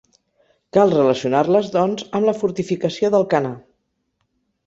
Cal relacionar-les doncs amb la fortificació d'Alcanar.